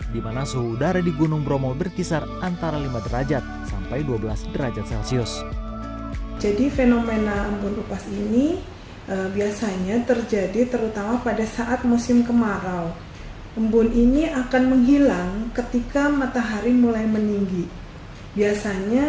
dimana suhu udara di gunung bromo berkisar antara lima derajat sampai dua belas derajat celcius